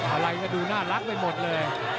อะไรก็ดูน่ารักไปหมดเลย